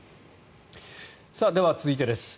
では、続いてです。